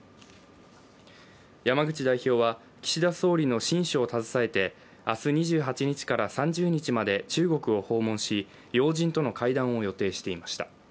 山口代表は岸田総理の親書を携えて明日２８日から３０日まで中国を訪問し要人との会談を予定していました。